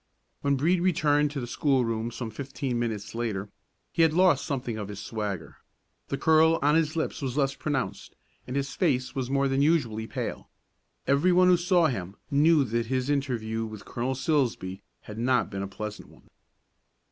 When Brede returned to the schoolroom some fifteen minutes later, he had lost something of his swagger; the curl on his lips was less pronounced, and his face was more than usually pale. Every one who saw him knew that his interview with Colonel Silsbee had not been a pleasant one.